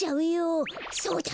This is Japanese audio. そうだ！